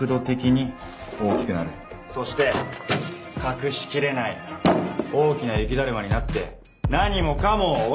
そして隠しきれない大きな雪だるまになって何もかもを押し潰す！